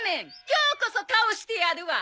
今日こそ倒してやるわ。